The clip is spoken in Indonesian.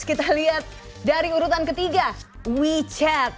kita lihat dari urutan ketiga wechat